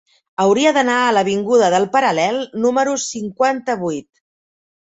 Hauria d'anar a l'avinguda del Paral·lel número cinquanta-vuit.